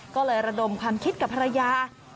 ก็เลยระดมความคิดกับภรรยา